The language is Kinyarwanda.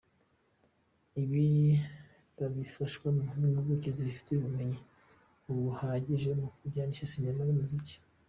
Ibi babifashwamo n’impuguke zibifitemo ubumenyi buhagije mu kujyanisha sinema n’umuziki.